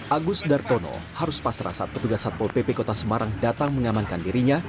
agus d'artono harus pas rasa petugas satpol pp kota semarang datang mengamankan dirinya